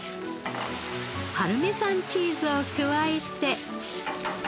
パルメザンチーズを加えて。